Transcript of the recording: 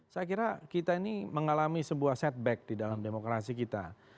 saya kira kita ini mengalami sebuah setback di dalam demokrasi kita